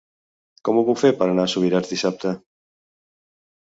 Com ho puc fer per anar a Subirats dissabte?